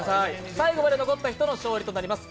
最後まで残った人の勝利となります。